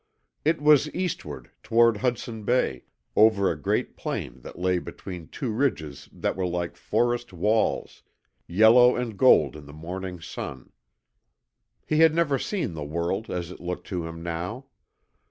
It was eastward, toward Hudson Bay, over a great plain that lay between two ridges that were like forest walls, yellow and gold in the morning sun. He had never seen the world as it looked to him now.